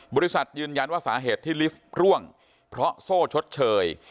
บริษัทยืนยันว่าสาเหตุที่ลิฟต์ร่วงเพราะโซ่ชดเชย